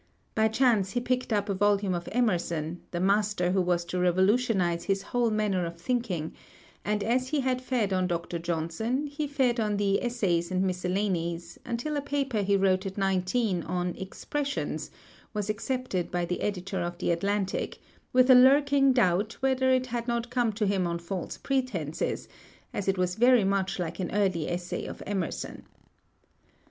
By chance he picked up a volume of Emerson, the master who was to revolutionize his whole manner of thinking; and as he had fed on Dr. Johnson he fed on the 'Essays and Miscellanies,' until a paper he wrote at nineteen on 'Expressions' was accepted by the editor of the Atlantic, with a lurking doubt whether it had not come to him on false pretenses, as it was very much like an early essay of Emerson.